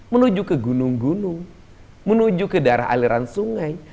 menuju ke gunung gunung menuju ke daerah aliran sungai